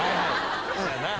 そうやな。